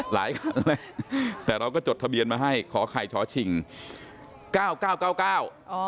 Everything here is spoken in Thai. หลายคันเลยแต่เราก็จดทะเบียนมาให้ขอไข่ช้อชิงเก้าเก้าเก้าเก้าอ๋อ